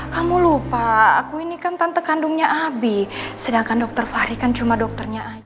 kamu lupa aku ini kan tante kandungnya abi sedangkan dokter fahri kan cuma dokternya aja